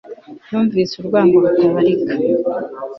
Yumvise urwango rutabarika